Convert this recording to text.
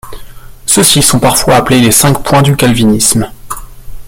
Ceux-ci sont parfois appelés les cinq points du calvinisme.